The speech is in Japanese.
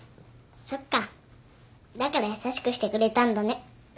そっかだから優しくしてくれたんだね。